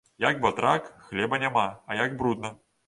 Як батрак, хлеба няма, а як брудна.